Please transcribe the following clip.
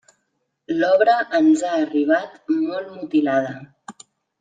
L'obra ens ha arribat molt mutilada.